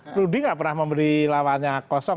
setting memberi lawannya kosong